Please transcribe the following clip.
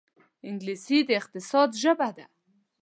انګلیسي د اقتصاد ژبه ده